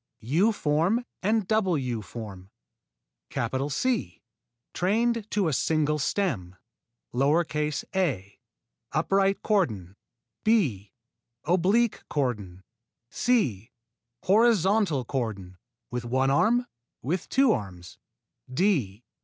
_ U form and double U form C. Trained to a single stem: a. Upright cordon b. Oblique cordon c. Horizontal cordon (with one arm) (with two arms) _d.